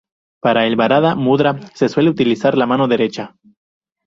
Para el varada-mudra, se suele utilizar la mano derecha.